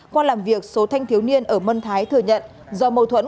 qua làm việc số thanh thiếu niên ở mân thái thừa nhận do mâu thuẫn